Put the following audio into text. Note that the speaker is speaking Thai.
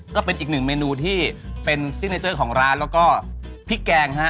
ก็เป็นอีกหนึ่งเมนูที่เป็นของร้านแล้วก็พริกแกงฮะ